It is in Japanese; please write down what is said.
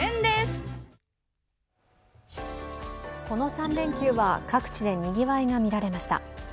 この３連休は各地でにぎわいがみられました。